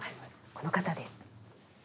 この方です。